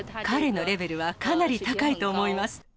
彼のレベルはかなり高いと思います。